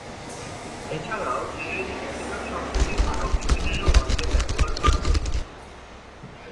এছাড়াও ইংরেজি ক্যাপিটাল শব্দটি আরো বিভিন্ন অর্থে ব্যবহার করা হয়ে থাকে।